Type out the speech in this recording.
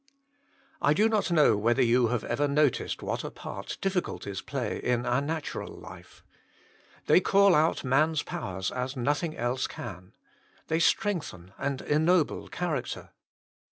I do not know whether you have ever noticed what a part difficulties play in our natural life. They call out man s powers as nothing else can. They strengthen and ennoble character.